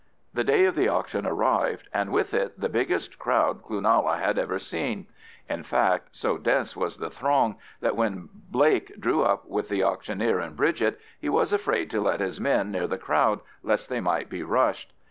The day of the auction arrived, and with it the biggest crowd Cloonalla had ever seen. In fact, so dense was the throng that when Blake drew up with the auctioneer and Bridget, he was afraid to let his men near the crowd lest they might be rushed.